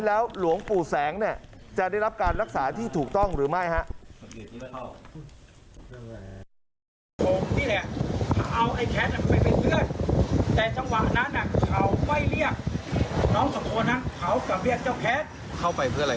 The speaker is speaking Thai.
แล้วหลวงปู่แสงเนี่ยจะได้รับการรักษาที่ถูกต้องหรือไม่ฮะ